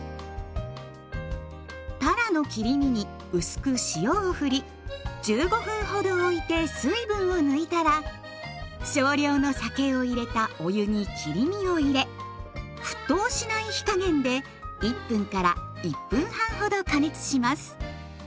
たらの切り身に薄く塩をふり１５分ほどおいて水分を抜いたら少量の酒を入れたお湯に切り身を入れ沸騰しない火加減で１分から１分半ほど加熱します。